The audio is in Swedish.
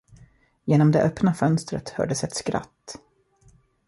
Genom det öppna fönstret hördes ett skratt.